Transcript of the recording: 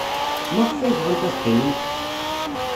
Maɣef ay bɣant ad qqiment?